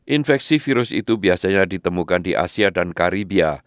infeksi virus itu biasanya ditemukan di asia dan karibia